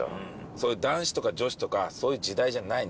それ男子とか女子とかそういう時代じゃない